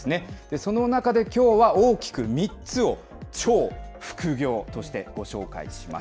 その中できょうは大きく３つを、超副業としてご紹介します。